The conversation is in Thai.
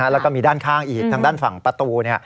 แล้วก็มีด้านข้างอีกทางด้านฝั่งประตู